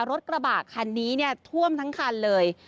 รถกระบากคันนี้ท่วมทั้งคันเลย